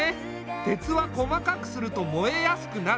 鉄は細かくすると燃えやすくなる。